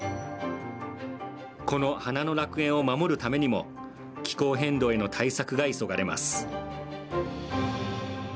この花の楽園を守るためにも気候変動への対策が急がれます。